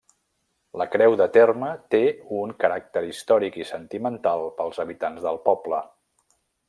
La creu de terme té un caràcter històric i sentimental pels habitants del poble.